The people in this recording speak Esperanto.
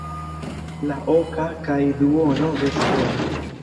La oka kaj duono vespere.